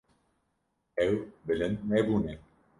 Ew bilind nebûne.